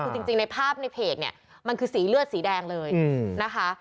คือจริงในภาพในเพจเนี่ยมันคือสีเลือดสีแดงเลยนะคะ